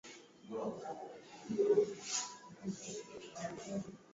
huku mwenyewe akiwa ametuma ujumbe wake